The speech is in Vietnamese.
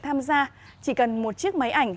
tham gia chỉ cần một chiếc máy ảnh